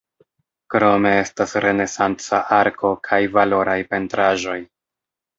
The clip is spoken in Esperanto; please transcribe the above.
Krome estas renesanca arko kaj valoraj pentraĵoj.